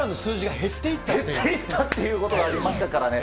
減っていったということがありましたからね。